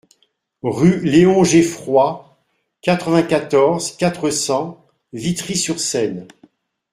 Rue Léon Geffroy, quatre-vingt-quatorze, quatre cents Vitry-sur-Seine